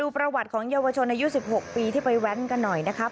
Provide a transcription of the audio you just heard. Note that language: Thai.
ประวัติของเยาวชนอายุ๑๖ปีที่ไปแว้นกันหน่อยนะครับ